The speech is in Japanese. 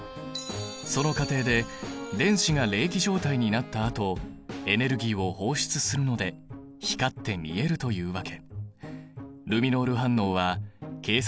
その過程で電子が励起状態になったあとエネルギーを放出するので光って見えるというわけ。